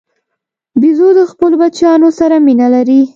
بیزو د خپلو بچیانو سره مینه لري.